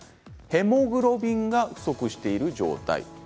ヘモグロビンが不足している状態です。